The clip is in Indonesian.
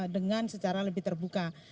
dengan secara lebih terbuka